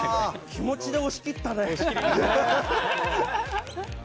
気持ちで押し切ったね！